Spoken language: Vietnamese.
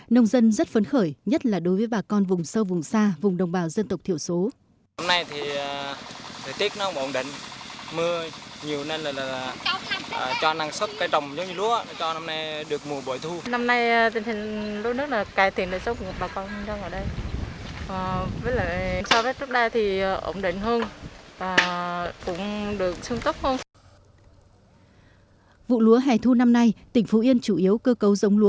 nông dân rất phấn khởi nhất là đối với bà con vùng sâu vùng xa vùng đồng bào dân tộc thiểu số